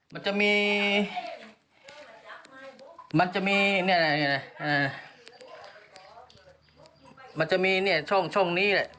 มันจะมีมันจะมีนี่แหละมันจะมีช่องนี้แหละ